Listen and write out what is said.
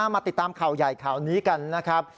มาติดตามข่าวใหญ่ข่าวนี้กันนะครับ